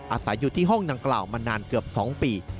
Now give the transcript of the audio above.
อาศัยอยู่ที่ห้องดังกล่าวมานานเกือบ๒ปี